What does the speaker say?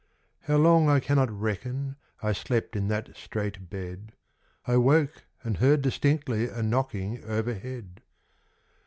How long I cannot reckon, I slept in that strait bed; I woke and heard distinctly A knocking overhead.